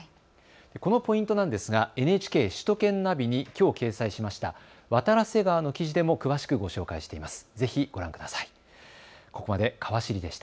このポイントなんですがＮＨＫ首都圏ナビにきょう掲載しました渡良瀬川の記事でも詳しくご紹介しています。